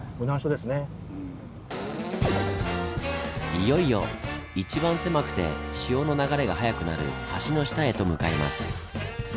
いよいよ一番狭くて潮の流れが速くなる橋の下へと向かいます。